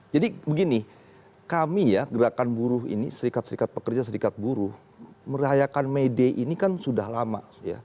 jadi begini kami ya gerakan buruh ini serikat serikat pekerja serikat buruh merayakan may day ini kan sudah lama